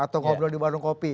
atau ngobrol di warung kopi